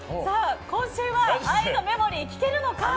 今週は「愛のメモリー」聴けるのか？